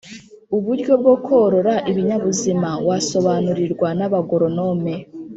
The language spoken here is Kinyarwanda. uburyo bwo korora ibinyabuzima wabusobanurirwa naba goronome